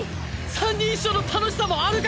三人一緒の楽しさもあるかも！